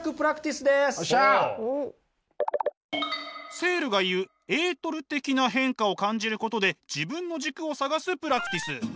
セールが言うエートル的な変化を感じることで自分の軸を探すプラクティス。